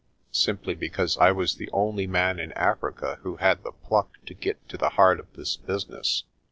Simply because I was the only man in Africa who had the pluck to get to the heart of this business.